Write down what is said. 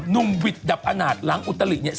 ุ่มวิทย์ดับอาณาจหลังอุตลิเนี่ย